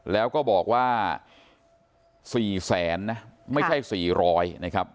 แล้วก็บอกว่าสี่แสนน่ะไม่ใช่สี่ร้อยนะครับ